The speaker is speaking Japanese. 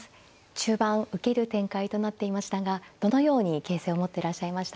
中盤受ける展開となっていましたがどのように形勢思ってらっしゃいましたか。